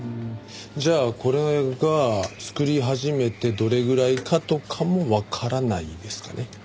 じゃあこれが作り始めてどれぐらいかとかもわからないですかね？